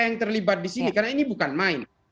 yang terlibat di sini karena ini bukan main